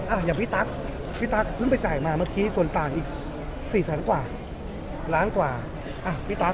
อ่ะอย่างพี่ตั๊กพี่ตั๊กเพิ่งไปจ่ายมาเมื่อกี้ส่วนต่างอีกสี่แสนกว่าล้านกว่าอ่ะพี่ตั๊ก